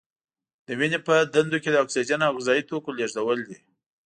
د وینې په دندو کې د اکسیجن او غذايي توکو لیږدول دي.